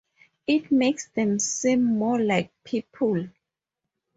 It makes them seem more like people.